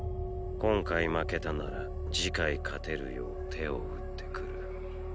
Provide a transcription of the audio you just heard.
今回負けたなら次回勝てるよう手を打ってくる。